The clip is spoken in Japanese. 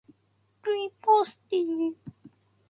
ルイボスティー